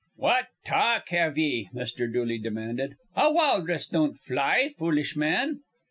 "What ta alk have ye?" Mr. Dooley demanded. "A walrus don't fly, foolish man!"